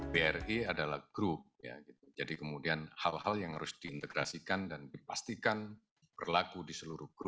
bri adalah grup jadi kemudian hal hal yang harus diintegrasikan dan dipastikan berlaku di seluruh grup